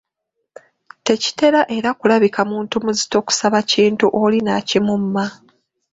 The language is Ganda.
Tekitera era kulabika muntu muzito kusaba kintu oli n’akimumma.